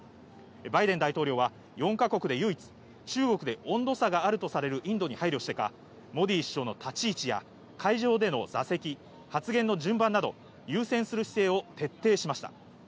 バイデン大統領は、４か国で唯一、中国で温度差があるとされるインドに配慮してか、モディ首相の立ち位置や会場での座席、発言の順番など、優先する姿勢を徹底しました。